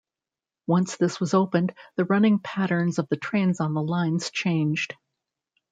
Once this was opened, the running patterns of the trains on the lines changed.